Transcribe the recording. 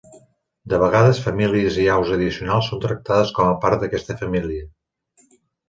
De vegades, famílies i aus addicionals són tractades com a part d'aquesta família.